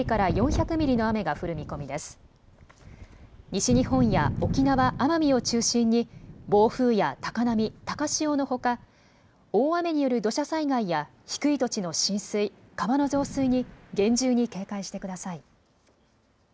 西日本や沖縄・奄美を中心に暴風や高波、高潮のほか、大雨による土砂災害や低い土地の浸水、川の増水に厳重に警戒してください。